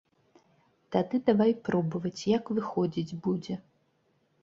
Тады давай пробаваць, як выходзіць будзе.